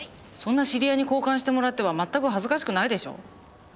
そんな知り合いに交換してもらっては全く恥ずかしくないでしょう。